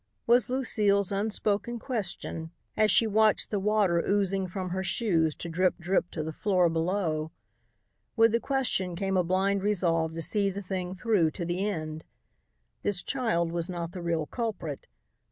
was Lucile's unspoken question as she watched the water oozing from her shoes to drip drip to the floor below. With the question came a blind resolve to see the thing through to the end. This child was not the real culprit.